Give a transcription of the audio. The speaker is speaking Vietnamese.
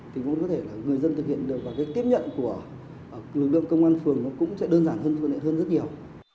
thì cũng có thể là người dân thực hiện được và cái tiếp nhận của lực lượng công an phường cũng sẽ đơn giản hơn rất nhiều